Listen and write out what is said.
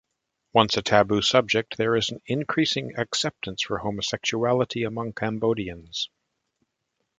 Once a taboo subject, there is an increasing acceptance for homosexuality among Cambodians.